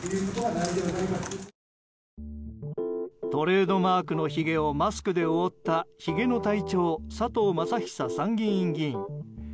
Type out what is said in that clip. トレードマークのひげをマスクで覆ったひげの隊長佐藤正久参議院議員。